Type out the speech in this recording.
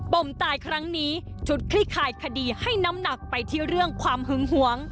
มตายครั้งนี้ชุดคลี่คลายคดีให้น้ำหนักไปที่เรื่องความหึงหวง